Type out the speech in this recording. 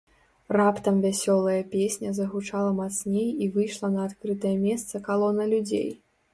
Раптам вясёлая песня загучала мацней і выйшла на адкрытае месца калона людзей.